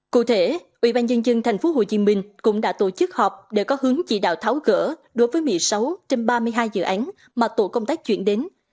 cụ thể ubnd tp hcm cũng đã tổ chức họp để có hướng chỉ đạo tháo gỡ đối với một mươi sáu trên ba mươi hai dự án mà tổ công tác chuyển đến